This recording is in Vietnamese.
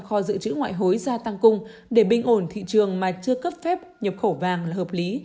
kho dự trữ ngoại hối gia tăng cung để bình ổn thị trường mà chưa cấp phép nhập khẩu vàng là hợp lý